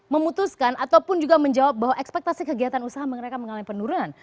memutuskan ataupun juga menjawab bahwa ekspektasi kegiatan usaha mereka mengalami penurunan